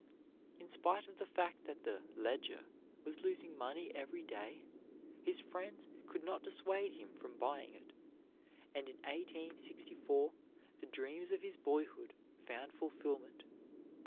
In spite of the fact that the "Ledger" was losing money every day, his friends could not dissuade him from buying it, and in 1864 the dreams of his boyhood found fulfilment.